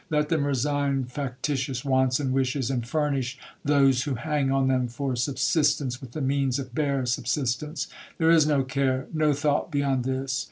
—let them resign factitious wants and wishes, and furnish those who hang on them for subsistence with the means of bare subsistence!—There is no care, no thought beyond this!